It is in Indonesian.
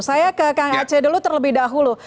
saya ke kang aceh dulu terlebih dahulu